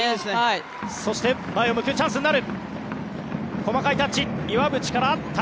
そして前を向くチャンスになる。